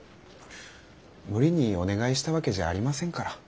無理にお願いしたわけじゃありませんから。